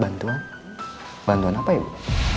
bantuan bantuan apa ibu